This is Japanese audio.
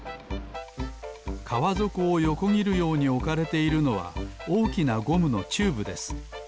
かわぞこをよこぎるようにおかれているのはおおきなゴムのチューブです。